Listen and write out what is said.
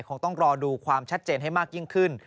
คงต้องรอดูความชัดเจนให้มากยิ่งขึ้น